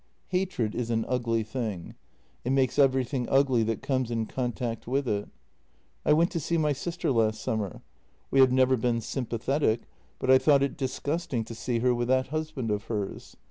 " Hatred is an ugly thing; it makes everything ugly that comes in contact with it. I went to see my sister last summer. We have never been sympathetic, but I thought it disgusting to see her with that husband of hers.